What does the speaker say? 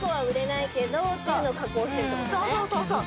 そうそうそうそう。